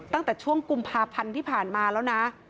ตั้งแต่ช่วงกุมภาพันธ์ที่ผ่านมาแล้วนะ